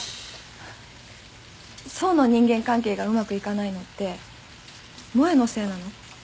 想の人間関係がうまくいかないのって萌のせいなの？